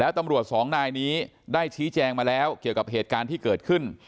ตำรวจสองนายนี้ได้ชี้แจงมาแล้วเกี่ยวกับเหตุการณ์ที่เกิดขึ้น